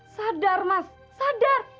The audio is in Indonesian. sadar mas sadar